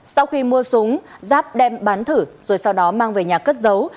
sau khi mua súng giáp đem bán thử rồi sau đó mang về nhà cất giấu